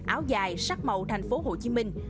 áo dài sắc màu thành phố hồ chí minh